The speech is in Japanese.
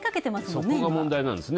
そこが問題なんですね。